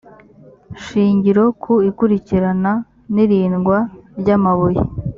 shingiro ku ikurikirana n irindwa ry amabuye